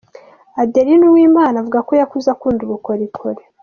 Adeline Uwimana avuga ko yakuze akunda ubukorikori.